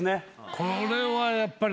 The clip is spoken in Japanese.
これはやっぱり。